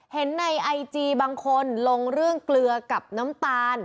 เห็นในไอจีบางคนลงเรื่องเกลือกับน้ำตาล